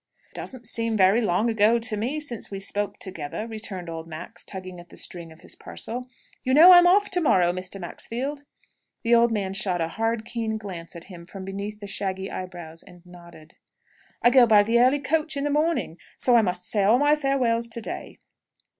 "It doesn't seem very long ago to me, since we spoke together," returned old Max, tugging at the string of his parcel. "You know I'm off to morrow, Mr. Maxfield?" The old man shot a hard keen glance at him from beneath the shaggy eyebrows, and nodded. "I go by the early coach in the morning, so I must say all my farewells to day."